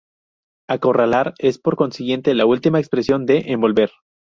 Acorralar es por consiguiente la última expresión de Envolver.